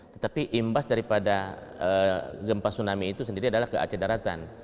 tetapi imbas daripada gempa tsunami itu sendiri adalah ke aceh daratan